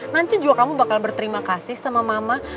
nanti juga kamu bakal berterima kasih sama mama